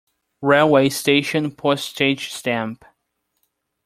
Railway station Postage stamp.